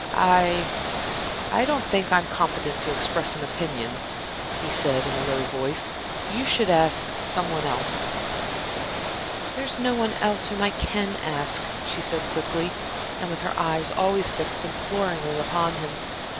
"I I don't think I'm competent to express an opinion," he said, in a low voice. "You should ask some one else." "There's no one else whom I can ask," she said quickly, and with her eyes always fixed imploringly upon him.